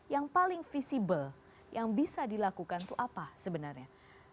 yang paling visible yang bisa dilakukan itu apa sebenarnya